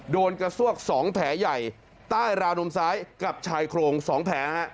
โดนกระซวกสองแผลใหญ่ต้ายราวนมซ้ายกับชายโครงสองแผลฮะ